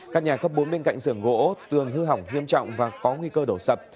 các nhà khắp bốn bên cạnh sưởng gỗ tường hư hỏng nghiêm trọng và có nguy cơ đổ sập